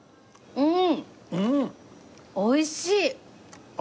うん。